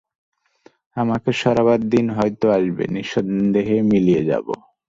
আমাকে সরাবার দিন হয়তো আসবে, নিঃশব্দেই মিলিয়ে যাব।